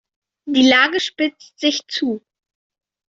Die Lage spitzt sich zu.